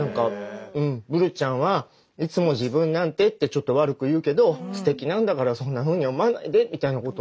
ブルちゃんはいつも自分なんてってちょっと悪く言うけどすてきなんだからそんなふうに思わないでみたいなことをね